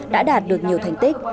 đã đạt được nhiều thành tích